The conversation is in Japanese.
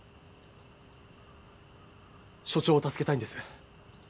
署長を助けたいんです。